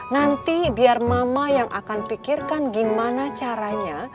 nanti biar mama yang akan pikirkan gimana caranya